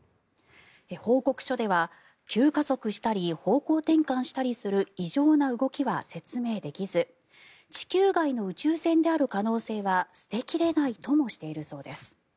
報告書では急加速したり方向転換したりする異常な動きは説明できず地球外の宇宙船である可能性は捨て切れないともしているそうです。